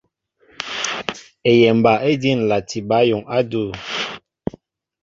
Eyɛmba éjí ǹlati bǎyuŋ á adʉ̂.